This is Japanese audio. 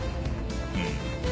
うん。